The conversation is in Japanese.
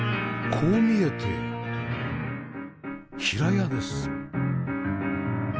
こう見えて平屋です